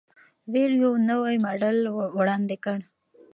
ولوو نوی ماډل وړاندې کړ.